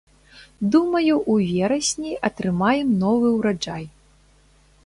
Думаю, у верасні атрымаем новы ўраджай.